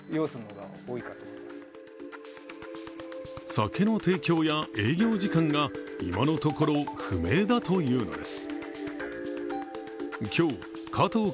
酒の提供や営業時間が今のところ不明だというのです。